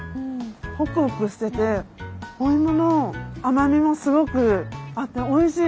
ホクホクしてておいもの甘みもすごくあっておいしい。